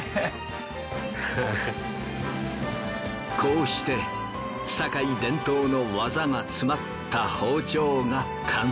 こうして堺伝統の技が詰まった包丁が完成。